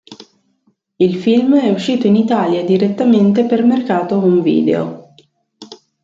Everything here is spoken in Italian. Il film è uscito in Italia direttamente per mercato home video.